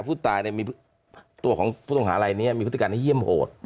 ผู้ตายในตัวของพุทธงหาลัยนี้มีพุทธการที่เยี่ยมโหด